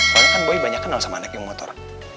soalnya kan boy banyak kenal sama anak yang motor